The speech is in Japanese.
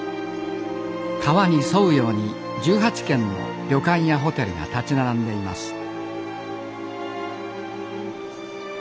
川に沿うように１８軒の旅館やホテルが立ち並んでいます